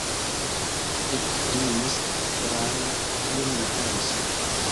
ekkriis Pranjo: kion mi faris?